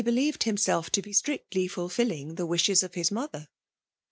Uered hiiriself to be strictly fulfilling the wbhet of his mother.